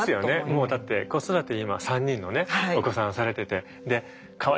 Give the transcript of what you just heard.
もうだって子育て今３人のねお子さんされててでかわいいじゃないですか。